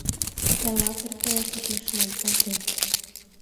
Эрлак РТС-ыш машинам колтем.